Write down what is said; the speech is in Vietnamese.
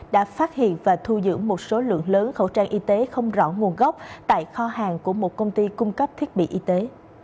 đã thu dựng một số lượng lớn khẩu trang y tế không rõ nguồn gốc tại kho hàng của một công ty cung cấp thiết bị y tế